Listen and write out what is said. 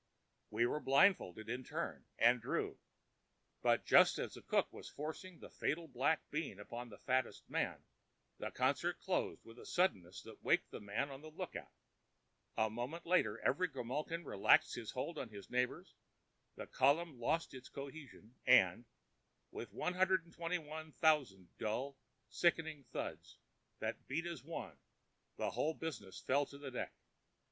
We were blindfolded in turn, and drew, but just as the cook was forcing the fatal black bean upon the fattest man, the concert closed with a suddenness that waked the man on the lookout. A moment later every grimalkin relaxed his hold on his neighbors, the column lost its cohesion and, with 121,000 dull, sickening thuds that beat as one, the whole business fell to the deck.